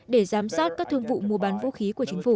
để giám sát các thương vụ mua bán vũ khí của chính phủ